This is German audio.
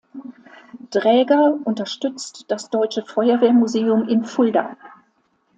Dräger unterstützt das Deutsche Feuerwehrmuseum in Fulda.